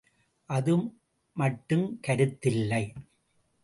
அது மட்டும் கருத்தில்லை.